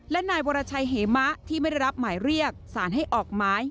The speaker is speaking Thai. และนายวรชัยเหมะที่ไม่ได้รับหมายเรียกสารให้ออกหมาย